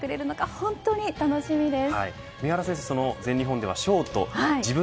本当に楽しみです。